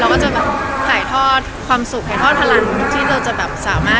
เราก็จะข่ายทอดความสุขข่ายทอดพลังที่เราจะสามารถดูแลเขา